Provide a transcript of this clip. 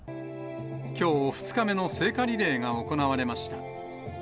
きょう、２日目の聖火リレーが行われました。